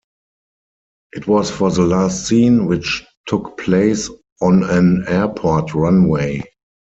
It was for the last scene, which took place on an airport runway.